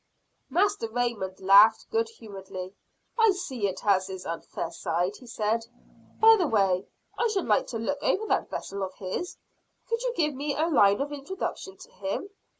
Master Raymond laughed good humoredly. "I see it has its unfair side," said he. "By the way, I should like to look over that vessel of his. Could you give me a line of introduction to him?"